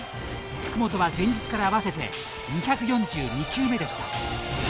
福本は前日から合わせて２４２球目でした。